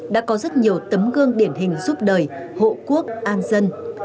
đã có rất nhiều tấm gương điển hình giúp đời hộ quốc an dân